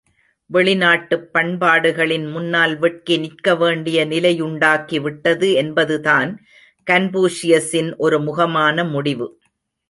வெளிநாட்டுப் பண்பாடுகளின் முன்னால் வெட்கி நிற்கவேண்டிய நிலையையுண்டாக்கி விட்டது என்பதுதான் கன்பூஷியஸின் ஒரு முகமான முடிவு.